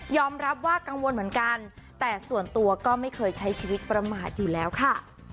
รับว่ากังวลเหมือนกันแต่ส่วนตัวก็ไม่เคยใช้ชีวิตประมาทอยู่แล้วค่ะ